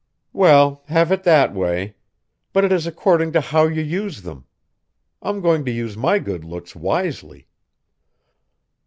"Well, have it that way. But it is according to how you use them. I'm going to use my good looks wisely!"